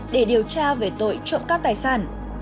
để điều tra về tội trộm cắp tài sản